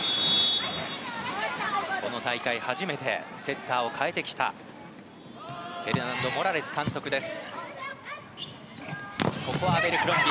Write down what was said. この大会初めてセッターを代えてきたフェルナンド・モラレス監督です。